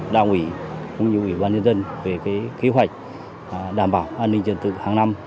đào ủy cũng như ủy ban nhân dân về cái kế hoạch đảm bảo an ninh trần tự hàng năm